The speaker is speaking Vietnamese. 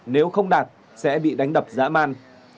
nếu không đạt sẽ bị đánh đập dã man